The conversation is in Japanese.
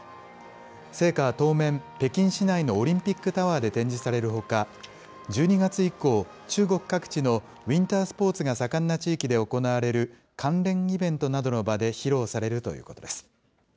聖火は当面、北京市内のオリンピックタワーで展示されるほか、１２月以降、中国各地のウインタースポーツが盛んな地域で行われる関連イベントなどの場で披露されるということです。